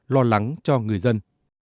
lo lắng cho người dân